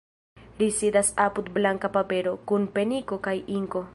Ri sidas apud blanka papero, kun peniko kaj inko.